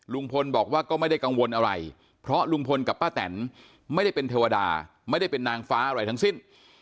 ลุงพลบอกว่าก็ไม่ได้กังวลอะไรเพราะลุงพลกับป้าแตนไม่ได้เป็นเทวดาไม่ได้เป็นนางฟ้าอะไรทั้งสิ้น